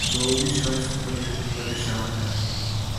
جو بھی شخص پریشان ہے